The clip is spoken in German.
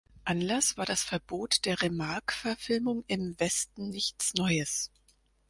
Anlass war das Verbot der Remarque-Verfilmung Im Westen nichts Neues.